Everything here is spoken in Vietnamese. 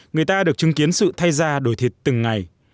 người ta được chứng kiến sự thay ra đổi thịt từng ngày